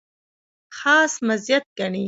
خاص مزیت ګڼي.